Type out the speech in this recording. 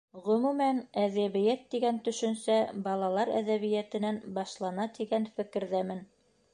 Ғөмүмән, әҙәбиәт тигән төшөнсә балалар әҙәбиәтенән башлана тигән фекерҙәмен.